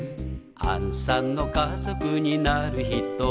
「あんさんの家族になる人が」